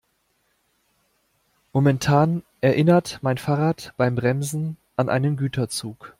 Momentan erinnert mein Fahrrad beim Bremsen an einen Güterzug.